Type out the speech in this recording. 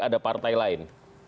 ada partai lain